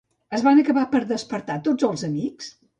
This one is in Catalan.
Es van acabar per despertar tots els amics?